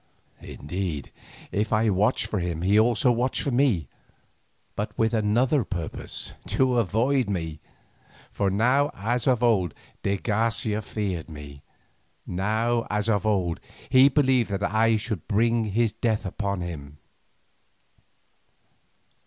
Indeed, if I watched for him he also watched for me, but with another purpose, to avoid me. For now as of old de Garcia feared me, now as of old he believed that I should bring his death upon him.